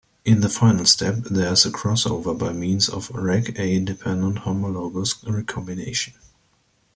In the final step there is crossover by means of RecA-dependent homologous recombination.